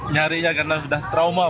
nyarinya karena sudah trauma